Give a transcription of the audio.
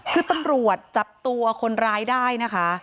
คือตำรวจจับตัวคนร้ายได้นะคะ